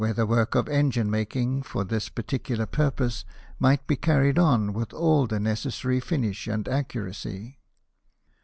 51 the work of engine making for this particular purpose might be carried on with all the necessary finish and accuracy.